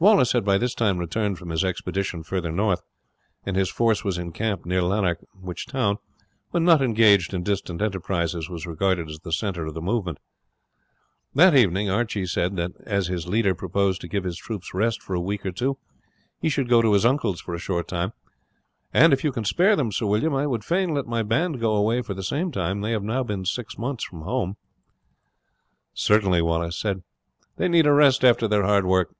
Wallace had by this time returned from his expedition farther north, and his force was in camp near Lanark, which town, when not engaged in distant enterprises, was regarded as the centre of the movement. That evening Archie said, that as his leader purposed to give his troops rest for a week or two, he should go to his uncle's for a short time. "And if you can spare them, Sir William, I would fain let my band go away for the same time. They have now been six months from home." "Certainly," Wallace said, "they need a rest after their hard work.